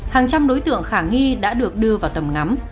hàng trăm đối tượng khả nghi đã được đưa vào tầm ngắm